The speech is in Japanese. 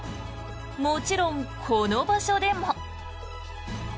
もちろん、この場所でも。